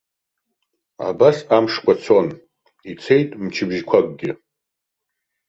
Абас амшқәа цон, ицеит мчыбжьқәакгьы.